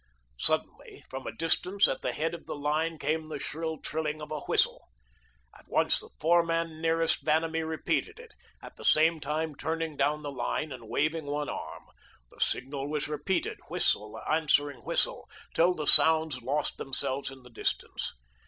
Suddenly, from a distance at the head of the line came the shrill trilling of a whistle. At once the foreman nearest Vanamee repeated it, at the same time turning down the line, and waving one arm. The signal was repeated, whistle answering whistle, till the sounds lost themselves in the distance.